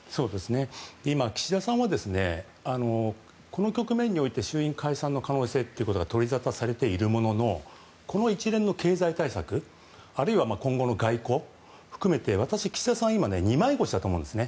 今、岸田さんはこの局面において衆院解散の可能性というのが取りざたされているもののこの一連の経済対策あるいは、今後の外交を含めて私、岸田さんは今二枚腰だと思うんです。